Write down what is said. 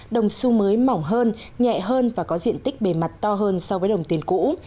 đồng su mới mỏng hơn nhẹ hơn và có diện tích bề mặt to hơn so với đồng tiền cũ